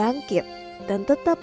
untuk melihat lotal